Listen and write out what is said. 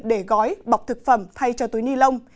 để gói bọc thực phẩm thay cho túi ni lông